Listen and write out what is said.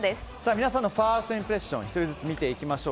皆さんのファーストインプレッション１人ずつ見ていきましょう。